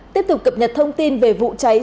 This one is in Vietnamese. tiếp tục cập nhật thông tin về vụ cháy